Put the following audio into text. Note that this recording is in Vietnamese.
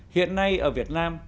hiện nay ở việt nam